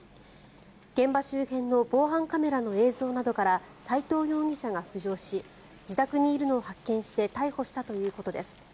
現場周辺の防犯カメラの映像などから斎藤容疑者が浮上し自宅にいるのを発見して逮捕したということです。